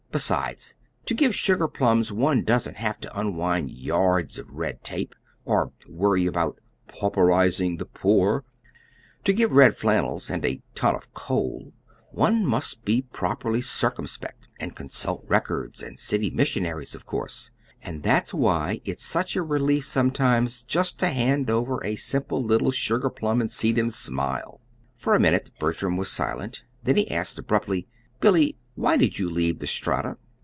Besides, to give sugar plums one doesn't have to unwind yards of red tape, or worry about 'pauperizing the poor.' To give red flannels and a ton of coal, one must be properly circumspect and consult records and city missionaries, of course; and that's why it's such a relief sometimes just to hand over a simple little sugar plum and see them smile." For a minute Bertram was silent, then he asked abruptly: "Billy, why did you leave the Strata?"